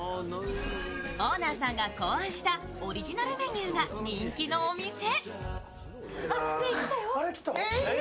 オーナーさんが考案したオリジナルメニューが人気のお店。